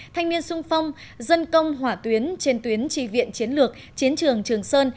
thanh niên sung phong dân công hỏa tuyến trên tuyến tri viện chiến lược chiến trường trường sơn